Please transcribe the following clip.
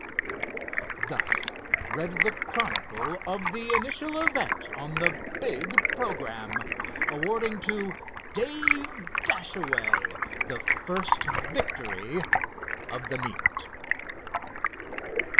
Thus read the chronicle of the initial event on the big programme, awarding to Dave Dashaway the first victory of the meet.